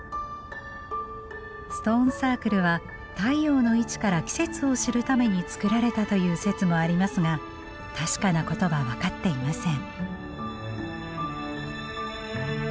ストーンサークルは太陽の位置から季節を知るために作られたという説もありますが確かなことは分かっていません。